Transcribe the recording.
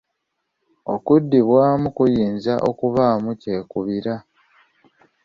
Okuddibwamu kuyinza okubaamu kyekubiira.